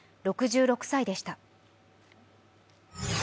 ６６歳でした。